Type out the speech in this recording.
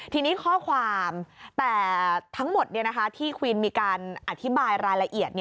ทีนี้ข้อความแต่ทั้งหมดที่ควีนมีการอธิบายรายละเอียด